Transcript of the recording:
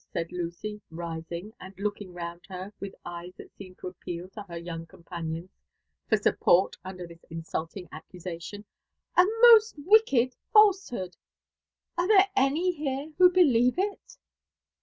said Lucy, rising, and looking round her with eyes that seemed to appeal to her young companiooe ftnr support under this insulting accusation; ''a most wicked false hood. Are there any here who believe it